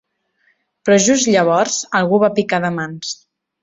Però just llavors algú va picar de mans.